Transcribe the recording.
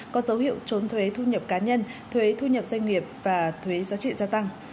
có dấu hiệu trốn thuế thu nhập cá nhân thuế thu nhập doanh nghiệp và thuế giá trị gia tăng